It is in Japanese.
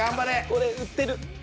これ売ってる。